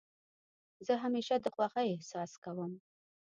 زه همېشه د خوښۍ احساس کوم.